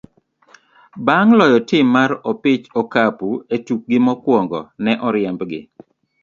Bang' loyo tim mar opich okapu e tukgi mokwongo, ne oriembgi.